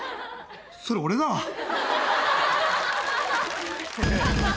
それ俺だわ。